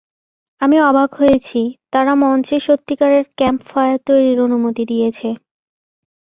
আমি অবাক হয়েছি, তারা মঞ্চে সত্যিকারের ক্যাম্পফায়ার তৈরির অনুমতি দিয়েছে।